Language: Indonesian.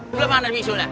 belum ada bisulnya